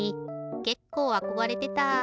けっこうあこがれてた。